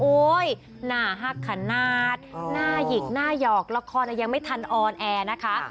หน้าฮักขนาดหน้าหยิกหน้าหยอกละครยังไม่ทันออนแอร์นะคะ